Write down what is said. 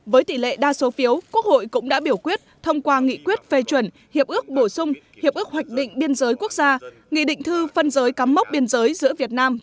với tỷ lệ đa số phiếu quốc hội cũng đã biểu quyết thông qua nghị quyết phê chuẩn hiệp ước bổ sung hiệp ước hoạch định biên giới quốc gia nghị định thư phân giới cắm mốc biên giới giữa việt nam